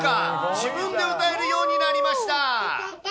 自分で歌えるようになりました。